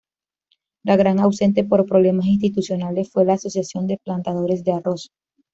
La gran ausente, por problemas institucionales, fue la Asociación de Plantadores de Arroz.